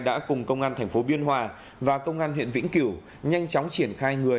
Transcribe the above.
đã cùng công an thành phố biên hòa và công an huyện vĩnh cửu nhanh chóng triển khai người